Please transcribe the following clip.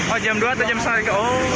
oh jam dua atau jam setengah tiga pagi